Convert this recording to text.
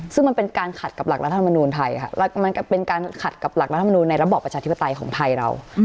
ซึ่งมันเป็นการขัดกับหลักรัฐมนูลไทยค่ะมันเป็นการขัดกับหลักรัฐมนูลในระบอบประชาธิปไตยของไทยเรา